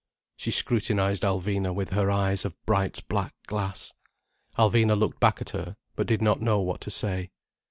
She scrutinized Alvina with her eyes of bright black glass. Alvina looked back at her, but did not know what to say.